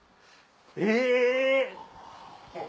え！